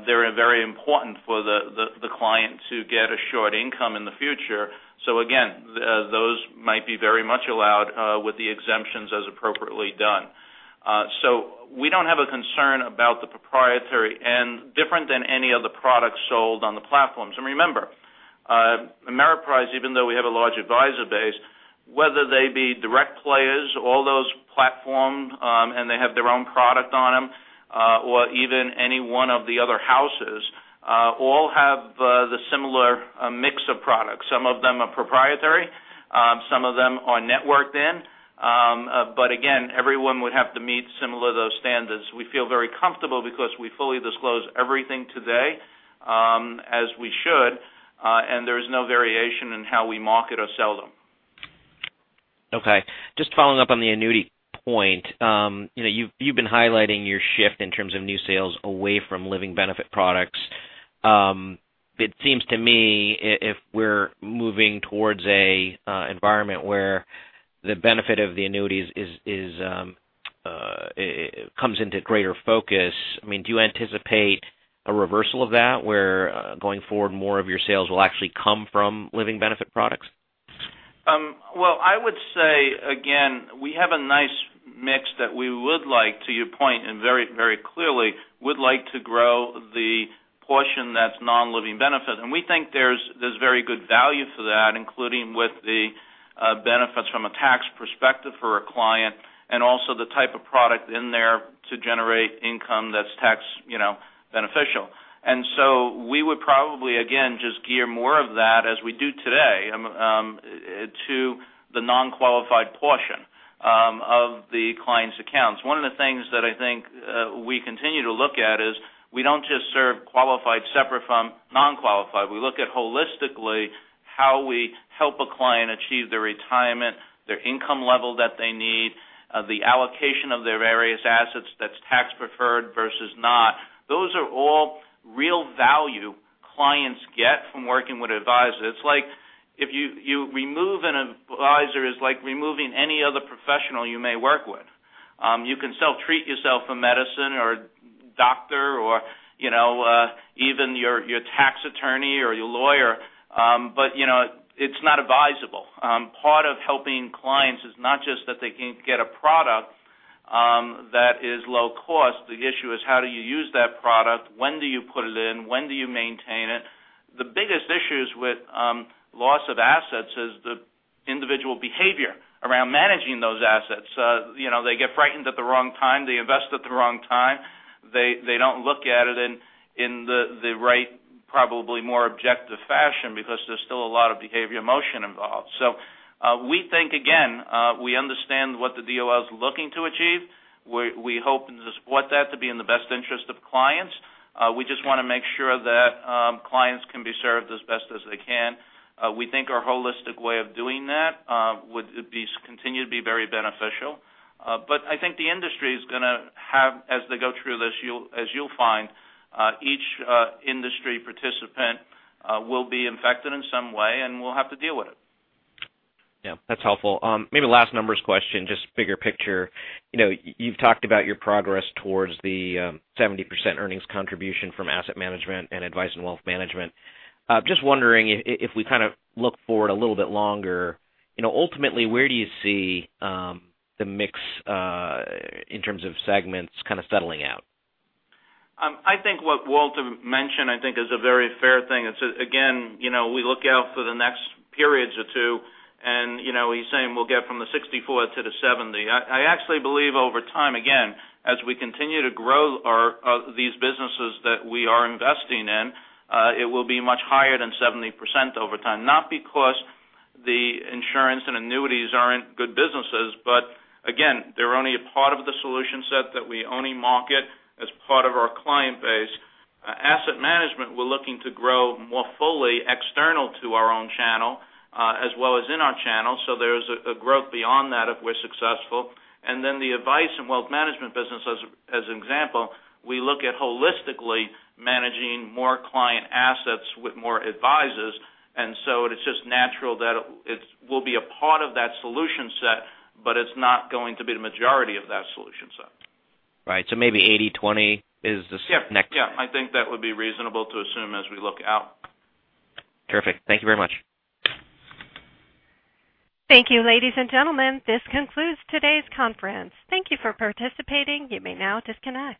they're very important for the client to get assured income in the future. Again, those might be very much allowed with the exemptions as appropriately done. We don't have a concern about the proprietary and different than any other product sold on the platforms. Remember, Ameriprise, even though we have a large advisor base, whether they be direct players, all those platform, and they have their own product on them, or even any one of the other houses, all have the similar mix of products. Some of them are proprietary. Some of them are networked in. Again, everyone would have to meet similar those standards. We feel very comfortable because we fully disclose everything today, as we should, and there is no variation in how we market or sell them. Okay. Just following up on the annuity point. You've been highlighting your shift in terms of new sales away from living benefit products. It seems to me if we're moving towards an environment where the benefit of the annuities comes into greater focus, do you anticipate a reversal of that, where going forward more of your sales will actually come from living benefit products? Well, I would say again, we have a nice mix that we would like, to your point, and very clearly, would like to grow the portion that's non-living benefit. We think there's very good value for that, including with the benefits from a tax perspective for a client, and also the type of product in there to generate income that's tax beneficial. We would probably, again, just gear more of that as we do today, to the non-qualified portion of the client's accounts. One of the things that I think we continue to look at is we don't just serve qualified separate from non-qualified. We look at holistically how we help a client achieve their retirement, their income level that they need, the allocation of their various assets that's tax preferred versus not. Those are all real value clients get from working with advisors. If you remove an advisor, it's like removing any other professional you may work with. You can self-treat yourself for medicine or doctor or even your tax attorney or your lawyer, but it's not advisable. Part of helping clients is not just that they can get a product that is low cost. The issue is how do you use that product? When do you put it in? When do you maintain it? The biggest issues with loss of assets is the individual behavior around managing those assets. They get frightened at the wrong time. They invest at the wrong time. They don't look at it in the right, probably more objective fashion because there's still a lot of behavior emotion involved. We think, again, we understand what the DOL is looking to achieve. We hope to support that to be in the best interest of clients. We just want to make sure that clients can be served as best as they can. We think our holistic way of doing that would continue to be very beneficial. I think the industry is going to have, as they go through this, as you'll find, each industry participant will be affected in some way, and we'll have to deal with it. Yeah, that's helpful. Maybe last numbers question, just bigger picture. You've talked about your progress towards the 70% earnings contribution from asset management and Advice & Wealth Management. Just wondering if we look forward a little bit longer, ultimately, where do you see the mix in terms of segments kind of settling out? I think what Walter mentioned, I think is a very fair thing. Again, we look out for the next periods or two and he's saying we'll get from the 64 to the 70. I actually believe over time, again, as we continue to grow these businesses that we are investing in, it will be much higher than 70% over time, not because the insurance and annuities aren't good businesses, but again, they're only a part of the solution set that we only market as part of our client base. Asset management, we're looking to grow more fully external to our own channel, as well as in our channel. So there's a growth beyond that if we're successful. And then the Advice & Wealth Management business as an example, we look at holistically managing more client assets with more advisors. It's just natural that it will be a part of that solution set, but it's not going to be the majority of that solution set. Right. Maybe 80/20. Yeah. I think that would be reasonable to assume as we look out. Terrific. Thank you very much. Thank you, ladies and gentlemen. This concludes today's conference. Thank you for participating. You may now disconnect.